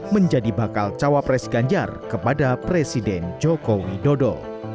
menjadi bakal cawapres ganjar kepada presiden joko widodo